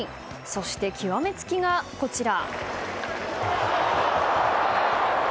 そして極め付きが、こちら。